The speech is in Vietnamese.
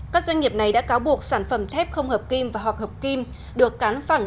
các doanh nghiệp này đã cáo buộc sản phẩm thép không hợp kim và hoặc hợp kim được cán phẳng